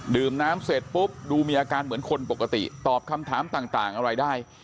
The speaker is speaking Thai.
ดื่มน้ำเสร็จปุ๊บดูมีอาการเหมือนคนปกติตอบคำถามต่างอะไรได้